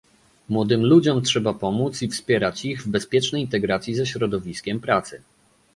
Młodym ludziom trzeba pomóc i wspierać ich w bezpiecznej integracji ze środowiskiem pracy